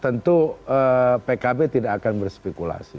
tentu pkb tidak akan berspekulasi